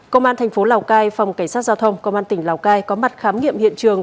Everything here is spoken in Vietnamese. công an thành phố lào cai phòng cảnh sát giao thông công an tỉnh lào cai có mặt khám nghiệm hiện trường